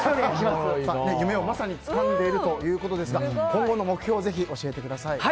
夢をまさにつかんでいるということですが今後の目標をぜひ教えてください。